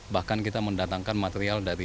bahkan kita mendatangkan material dari